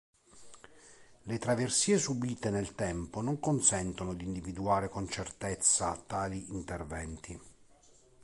Le traversie subite nel tempo non consentono di individuare con certezza tali interventi.